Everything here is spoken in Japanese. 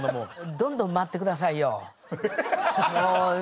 どんどん回って下さいよ。